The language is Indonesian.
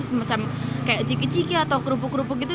semacam kayak ciki ciki atau kerupuk kerupuk gitu